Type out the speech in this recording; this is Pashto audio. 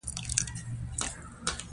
دا بدلون باید قومي غوښتنو لپاره نه وي.